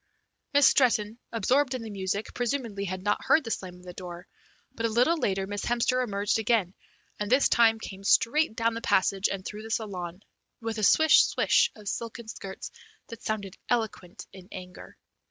Miss Stretton, absorbed in the music, presumably had not heard the slam of the door, but a little later Miss Hemster emerged again, and this time came straight down the passage and through the saloon, with a swish, swish of silken skirts that sounded eloquent in anger.